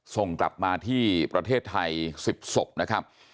ส่งกลับมาที่ประเทศไทย๑๐ศพนะครับ